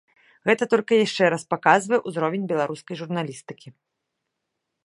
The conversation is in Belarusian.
Гэта толькі яшчэ раз паказвае ўзровень беларускай журналістыкі.